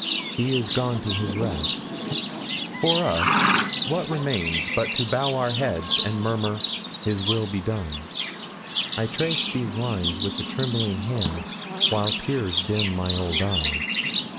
He is gone to his rest for us, what remains but to bow our heads, and murmur, "His will be done"? I trace these lines with a trembling hand, while tears dim my old eyes.